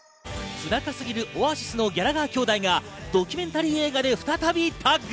不仲すぎるオアシスのギャラガー兄弟がドキュメンタリー映画で再びタッグ。